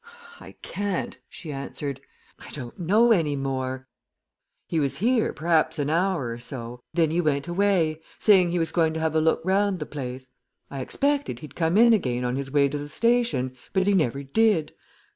"I can't!" she answered. "I don't know any more. He was here perhaps an hour or so. Then he went away, saying he was going to have a look round the place. I expected he'd come in again on his way to the station, but he never did.